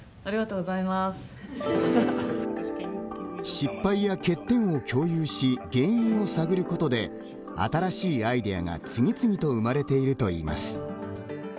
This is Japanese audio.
失敗や欠点を共有し原因を探ることで新しいアイデアが次々と生まれているといいます。